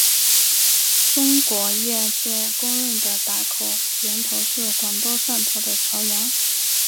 中国业界公认的打口源头是广东汕头的潮阳。